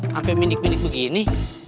sampai mendek mendek begini